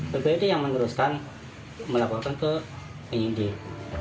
bpd yang meneruskan melaporkan ke penyidik